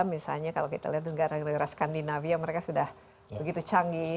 misalnya kalau kita lihat negara negara skandinavia mereka sudah begitu canggih